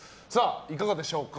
いかがでしょうか。